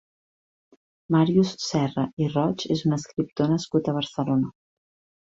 Màrius Serra i Roig és un escriptor nascut a Barcelona.